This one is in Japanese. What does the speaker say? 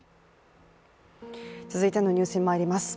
続いてのニュースにまいります。